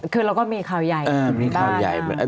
คือเราก็มีข่าวใหญ่อยู่ในบ้าน